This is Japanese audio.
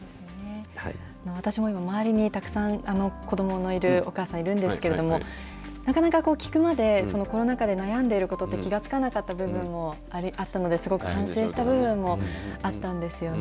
私も今、周りにたくさん、子どものいるお母さんいるんですけれども、なかなか聞くまで、コロナ禍で悩んでいることって気が付かなかった部分もあったので、すごく反省した部分もあったんですよね。